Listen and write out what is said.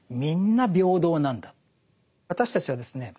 私たちはですね